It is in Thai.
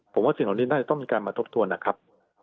ผมว่าสิ่งเหล่านี้น่าจะต้องมีการมาทบทวนนะครับ